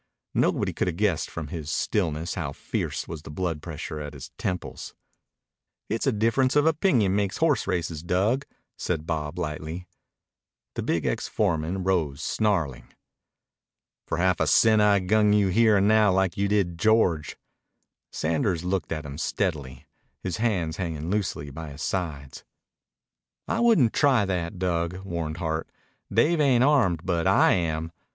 Nobody could have guessed from his stillness how fierce was the blood pressure at his temples. "It's a difference of opinion makes horse races, Dug," said Bob lightly. The big ex foreman rose snarling. "For half a cent I'd gun you here and now like you did George." Sanders looked at him steadily, his hands hanging loosely by his sides. "I wouldn't try that, Dug," warned Hart. "Dave ain't armed, but I am.